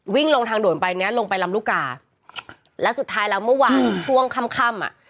วิ่งลงทางด่วนไปเนี้ยลงไปลำลูกกาแล้วสุดท้ายแล้วเมื่อวานช่วงค่ำค่ำอ่ะ